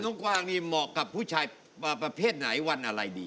กวางนี่เหมาะกับผู้ชายประเภทไหนวันอะไรดี